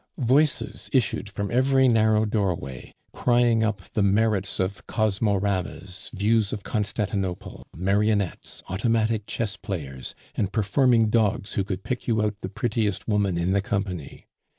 Voices issued from every narrow doorway, crying up the merits of Cosmoramas, views of Constantinople, marionettes, automatic chess players, and performing dogs who would pick you out the prettiest woman in the company.